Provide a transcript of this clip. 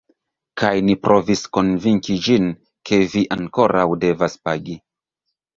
Kaj ni provis konvinki ĝin, ke vi ankoraŭ devas pagi.